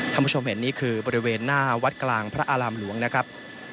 คุณผู้ชมเห็นนี่คือบริเวณหน้าวัดกลางพระอารามหลวงนะครับ